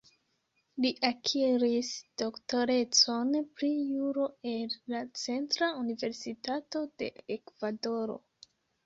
Li akiris doktorecon pri Juro el la Centra Universitato de Ekvadoro.